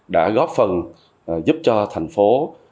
đã góp phần giúp cho thành phố